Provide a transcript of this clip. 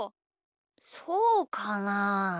そうかな？